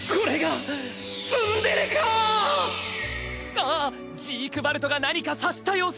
ああっジークヴァルトが何か察した様子。